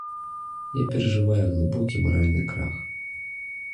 Я перажываю глыбокі маральны крах.